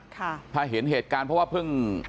ถ้าเห็นเหตุการณ์เพราะว่าเพิ่ง